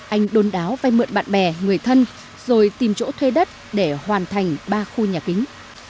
anh đôn đáo vay mượn bạn bè người thân rồi tìm chỗ thuê đất để hoàn thành ba khu nhà kính